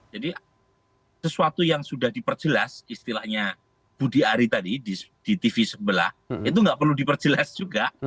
jadi sesuatu yang sudah diperjelas istilahnya budi ari tadi di tv sebelah itu tidak perlu diperjelas juga